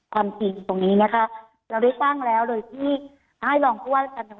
ความจริงตรงนี้นะคะเราได้ตั้งแล้วเลยที่ให้ลองพูดว่า